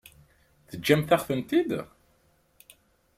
Teǧǧamt-aɣ-ten-id?